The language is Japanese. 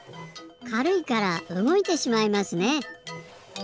かるいからうごいてしまいますね。